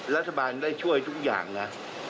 รัฐบาลได้ช่วยทุกอย่างนะ